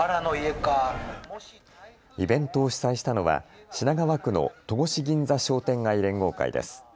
イベントを主催したのは品川区の戸越銀座商店街連合会です。